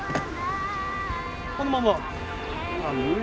このまま？